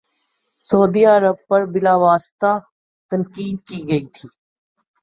سعودی عرب پر بلا واسطہ تنقید کی تھی